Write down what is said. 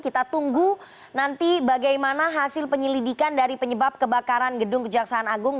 kita tunggu nanti bagaimana hasil penyelidikan dari penyebab kebakaran gedung kejaksaan agung